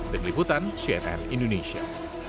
dengliputan cnn indonesia